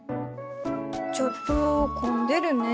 ちょっと混んでるね。